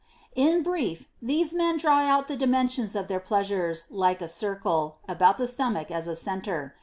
17. In brief, these men draw out the dimensions of their pleasures like a circle, about the stomach as a centre.